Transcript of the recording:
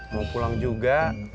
mau pulang juga